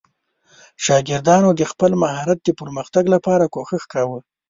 شاګردانو د خپل مهارت د پرمختګ لپاره کوښښ کاوه.